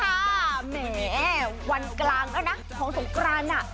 แหมวันกลางแล้วนะของสงกรานน่ะ